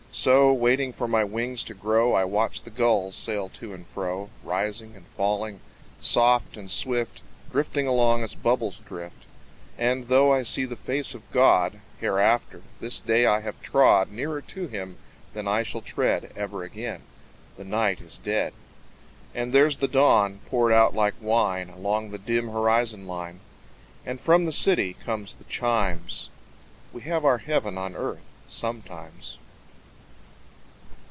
So, waiting for my wings to grow, I watch the gulls sail to and fro, Rising and falling, soft and swift, Drifting along as bubbles drift. And, though I see the face of God Hereafter this day have I trod Nearer to Him than I shall tread Ever again. The night is dead. And there's the dawn, poured out like wine Along the dim horizon line. And from the city comes the chimes We have our heaven on earth sometimes!